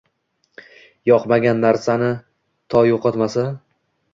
Yoqmagan narsasin to yo’qotmasa